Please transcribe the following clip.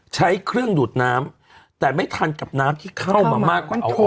ใช้เครื่องดูดน้ำแต่ไม่ทันกับน้ำที่เข้ามามากกว่า